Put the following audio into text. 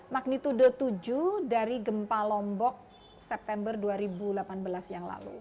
magnitudo tujuh dari gempa lombok september dua ribu delapan belas yang lalu